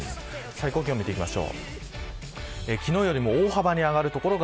最高気温を見ていきます。